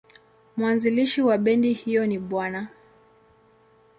Mwanzilishi wa bendi hiyo ni Bw.